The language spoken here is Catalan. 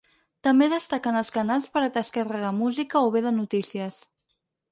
També destaquen els canals per a descarregar música o bé de notícies.